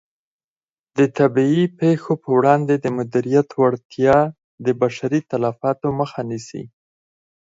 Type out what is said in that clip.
د طبیعي پېښو په وړاندې د مدیریت وړتیا د بشري تلفاتو مخه نیسي.